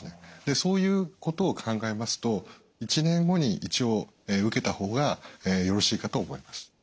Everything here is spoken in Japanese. そういうことを考えますと１年後に一応受けた方がよろしいかと思います。